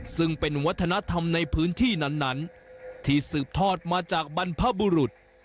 ซึ่งเป็นวัฒนธรรมในพื้นที่นั้นที่สืบทอดมาจากบรรพบุรุษ